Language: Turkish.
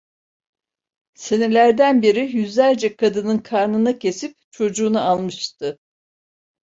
Senelerden beri yüzlerce kadının karnını kesip çocuğunu almıştı.